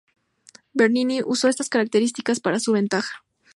Bernini usó estas características para su ventaja.